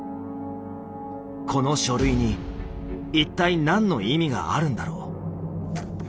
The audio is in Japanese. この書類に一体何の意味があるんだろう。